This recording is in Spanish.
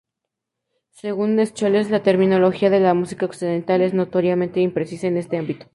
Según Scholes la terminología de la música occidental es notoriamente imprecisa en este ámbito.